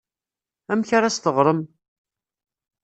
Amek ara as-teɣrem?